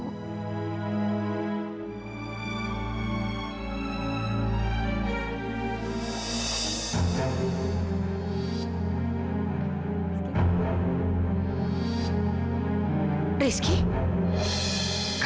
kamu di sini ternyata